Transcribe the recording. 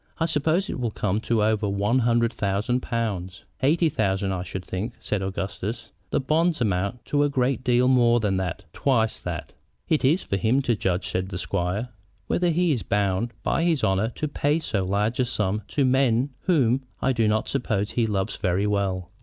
"I suppose it will come to over a hundred thousand pounds." "Eighty thousand, I should think," said Augustus. "The bonds amount to a great deal more than that twice that." "It is for him to judge," said the squire, "whether he is bound by his honor to pay so large a sum to men whom I do not suppose he loves very well."